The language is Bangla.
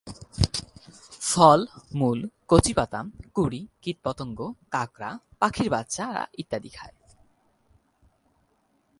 ফল, মূল, কচি পাতা, কুঁড়ি, কীটপতঙ্গ, কাঁকড়া, পাখির বাচ্চা ইত্যাদি খায়।